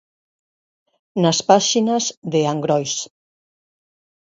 Nas páxinas de Angrois.